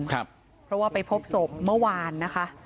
เพราะว่าไปพบศพเมื่อวานนะคะ